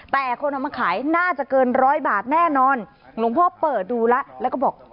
แต่คนเอามาขายน่าจะเกินร้อยบาทแน่นอนหลวงพ่อเปิดดูแล้วแล้วก็บอก